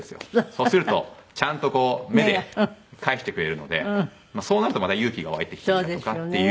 そうするとちゃんと目で返してくれるのでそうなるとまた勇気が湧いてきたりだとかっていう